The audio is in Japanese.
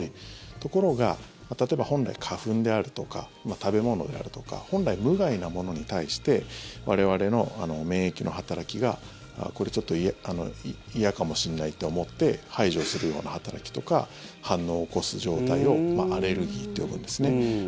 ところが、例えば花粉であるとか食べ物であるとか本来、無害なものに対して我々の免疫の働きがこれちょっと嫌かもしれないと思って排除するような働きとか反応を起こす状態をアレルギーと呼ぶんですね。